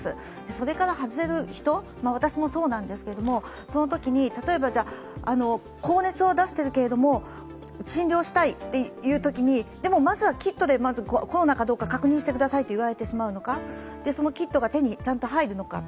それから外れる人、私もそうなんですけれども、そのときに高熱を出しているけれども、診療したい、というときにまずはキットでコロナか確認してくださいと言われてしまうのかそのキットがちゃんと手に入るのか。